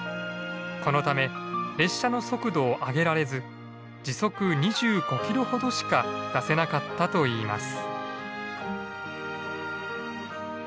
このため列車の速度を上げられず時速２５キロほどしか出せなかったといいます。